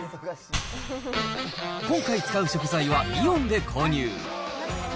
今回使う食材は、イオンで購入。